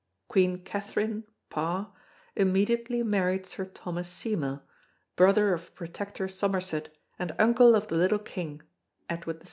Queen Catherine (Parr) immediately married Sir Thomas Seymour, brother of Protector Somerset and uncle of the little king (Edward VI).